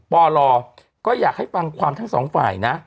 ปลก็อยากให้ฟังความทั้งสองฝ่ายนะ